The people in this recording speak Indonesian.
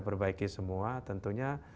perbaiki semua tentunya